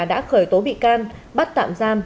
đã khởi tố bị can bắt tạm giam